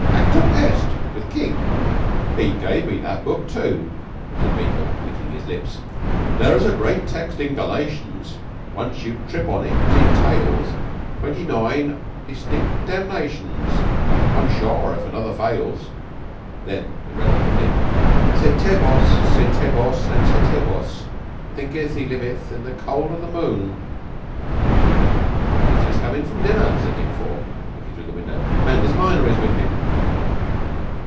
Actum est with King." "He gave me that book, too," said Beetle, licking his lips: "There's a great text in Galatians, Once you trip on it entails Twenty nine distinct damnations, One sure if another fails." Then irrelevantly: "Setebos! Setebos! and Setebos! Thinketh he liveth in the cold of the moon." "He's just come in from dinner," said Dick Four, looking through the window. "Manders minor is with him."